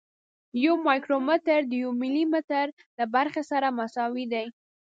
یو مایکرومتر د یو ملي متر له برخې سره مساوي دی.